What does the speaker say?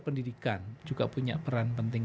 pendidikan juga punya peran penting